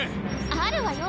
あるわよ！